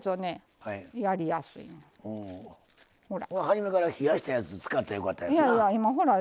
初めから冷やしたやつ使ったらよかったですな。